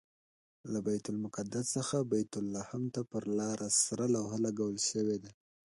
له بیت المقدس څخه بیت لحم ته پر لاره سرې لوحې لګول شوي دي.